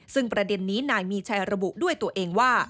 ซึ่งประเด็นนี้นายมีชัยระบุด้วยตัวเองว่า